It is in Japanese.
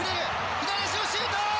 左足のシュート。